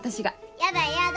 嫌だ嫌だ！